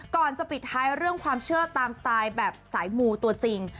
ก่อนจะปิดท้ายเรื่องความเชื่อตามสไตล์แบบสายมูตัวจริง